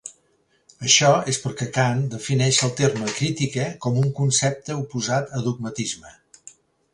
Això és perquè Kant defineix el terme "crítica" com un concepte oposat a dogmatisme.